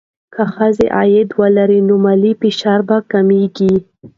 که ښځه عاید ولري، نو مالي فشار کمېږي.